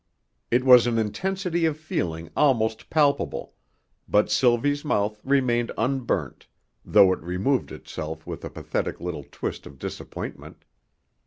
It was an intensity of feeling almost palpable, but Sylvie's mouth remained unburnt, though it removed itself with a pathetic little twist of disappointment.